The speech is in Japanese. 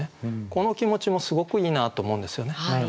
この気持ちもすごくいいなと思うんですよね。